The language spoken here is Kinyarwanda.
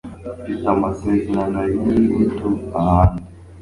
Mfite amasezerano yingutu ahandi